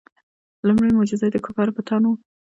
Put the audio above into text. لومړنۍ معجزه یې د کفارو بتان وو.